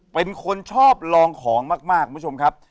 เป็นคนชอบลองของมากคุณผู้ชมครับ